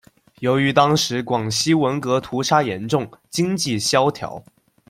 由于当时广西文革屠杀严重，经济萧条。